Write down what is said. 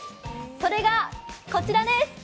それがこちらです。